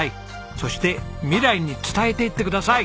そして未来に伝えていってください。